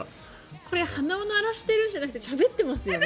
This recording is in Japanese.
これ鼻を鳴らしてるんじゃなくてしゃべってますよね。